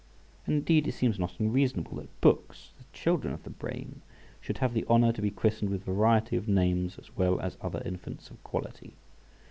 And indeed it seems not unreasonable that books, the children of the brain, should have the honour to be christened with variety of names, as well as other infants of quality.